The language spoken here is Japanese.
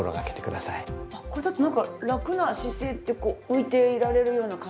これだとなんか楽な姿勢で浮いていられるような感じですね。